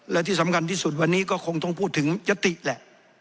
และที่สำคัญที่สุดวันนี้ก็คงต้องพูดถึงยติแหละ